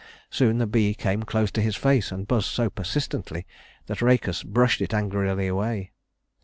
Soon the bee came close to his face, and buzzed so persistently that Rhœcus brushed it angrily away.